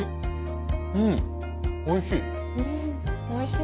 うんおいしい。